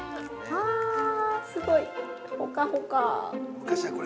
あー、すごい。ほかほか。